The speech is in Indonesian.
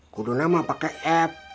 kudonama pakai app